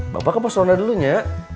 bapak ke pos ronda dulu nya